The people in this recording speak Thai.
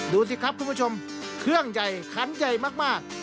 ดูสิครับคุณผู้ชมเครื่องใหญ่ขันใหญ่มาก